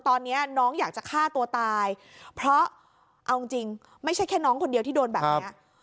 ตอนนี้น้องอยากจะฆ่าตัวตายเพราะเอาจริงไม่ใช่แค่น้องคนเดียวที่โดนแบบนี้